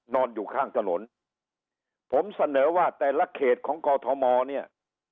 นอนอยู่ข้างถนนผมเสนอว่าแต่ละเขตของกอทมเนี่ย